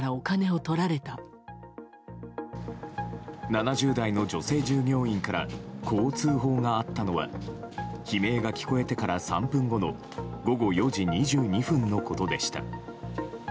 ７０代の女性従業員からこう通報があったのは悲鳴が聞こえてから３分後の午後４時２２分のことでした。